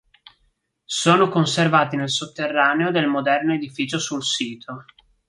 Sono conservati nel sotterraneo del moderno edificio sul sito.